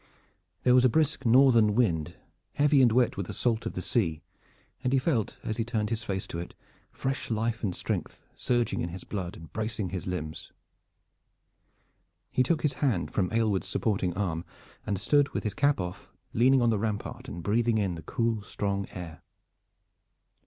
There was a brisk northern wind, heavy and wet with the salt of the sea, and he felt, as he turned his face to it, fresh life and strength surging in his blood and bracing his limbs. He took his hand from Aylward's supporting arm and stood with his cap off, leaning on the rampart and breathing in the cool strong air.